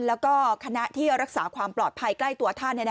แล้วก็คณะที่รักษาความปลอดภัยใกล้ตัวท่าน